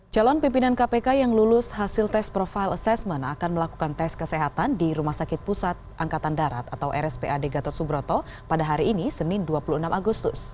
calon pimpinan kpk yang lulus hasil tes profile assessment akan melakukan tes kesehatan di rumah sakit pusat angkatan darat atau rspad gatot subroto pada hari ini senin dua puluh enam agustus